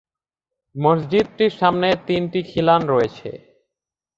মসজিদটির সামনে তিনটি খিলান রয়েছে।